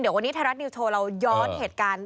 เดี๋ยววันนี้ไทยรัฐนิวโชว์เราย้อนเหตุการณ์